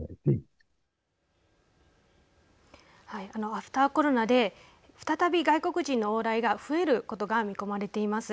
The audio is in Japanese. アフターコロナで再び外国人の往来が増えることが見込まれています。